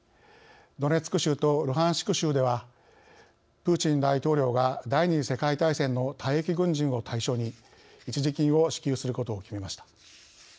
ドネツク州とルハンシク州ではプーチン大統領が第２次世界大戦の退役軍人を対象に一時金を支給することを決めました。